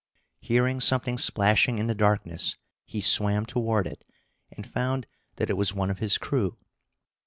Hearing something splashing in the darkness, he swam toward it, and found that it was one of his crew.